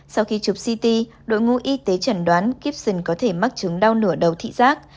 sau khi chụp ct đội ngũ y tế chẩn đoán kibson có thể mắc chứng đau nửa đầu thị giác